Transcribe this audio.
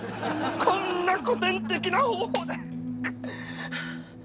こんな古典的な方法で。